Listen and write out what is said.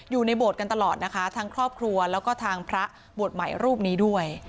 โบสถกันตลอดนะคะทั้งครอบครัวแล้วก็ทางพระบวชใหม่รูปนี้ด้วย